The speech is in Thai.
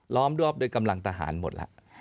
้อมรอบด้วยกำลังทหารหมดแล้ว